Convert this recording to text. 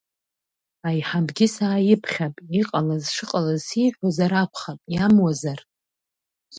Аиҳабгьы сааиԥхьап, иҟалаз шыҟалаз сеиҳәозар акәхап, иамуазар…